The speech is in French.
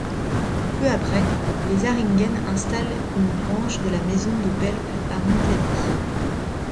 Peu après, les Zähringen installent une branche de la maison de Belp à Montagny.